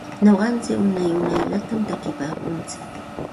Nuqantsik unay unayllatam takinpaakuntsik.